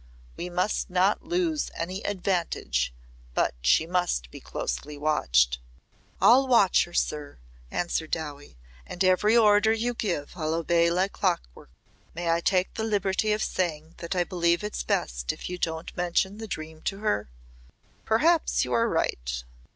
"We must not lose any advantage. But she must be closely watched." "I'll watch her, sir," answered Dowie. "And every order you give I'll obey like clockwork. Might I take the liberty of saying that I believe it'll be best if you don't mention the dream to her!" "Perhaps you are right.